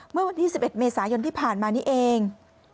เมื่อวันที่๑๑เมษายนที่ผ่านมานี้เอง